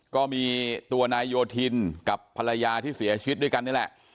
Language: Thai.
ก็มีตัวนายโยธินกับภรรยาที่เสียชีวิตด้วยกันนี่แหละ